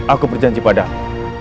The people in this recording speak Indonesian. aku berjanji padamu